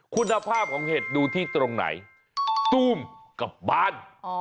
คุณภาพของเห็ดดูที่ตรงไหนตู้มกับบาน